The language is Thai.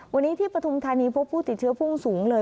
วันนี้ที่ปฐุมธานีพบผู้ติดเชื้อพุ่งสูงเลย